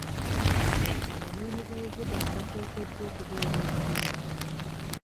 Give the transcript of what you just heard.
Abanoonyiboobubuddamu bateekeddwa okubeera obulungi.